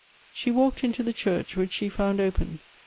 She walked into the church, which she found open.